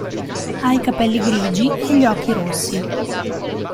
Ha i capelli grigi e gli occhi rossi.